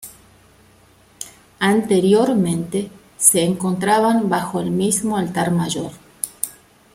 Anteriormente, se encontraban bajo el mismo altar mayor.